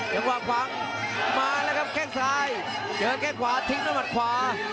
เมื่อกว่างฝากมาแล้วแก้งซ้ายเกิดแก้งขวาทิ้งต่อมันขวา